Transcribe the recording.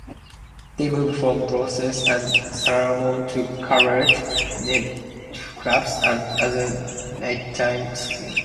They moved from brothels and saloons to cabarets, nightclubs and other nighttime scenes.